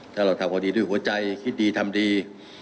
ถ้าเราทำพอดีด้วยหัวใจคิดดีทำดี